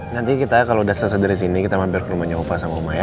nanti kita kalau udah selesai dari sini kita mampir ke rumahnya opa sama uma ya